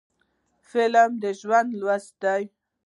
فلم د ژوند لوست دی